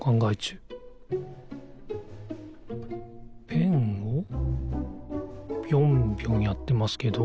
ペンをぴょんぴょんやってますけど。